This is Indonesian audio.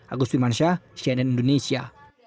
agus wimansyah cnn indonesia